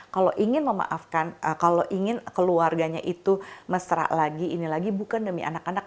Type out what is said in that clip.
kalau ingin memaafkan kalau ingin keluarganya itu mesra lagi ini lagi bukan demi anak anak